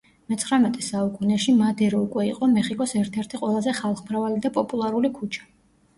მეცხრამეტე საუკუნეში, მადერო უკვე იყო მეხიკოს ერთ-ერთი ყველაზე ხალხმრავალი და პოპულარული ქუჩა.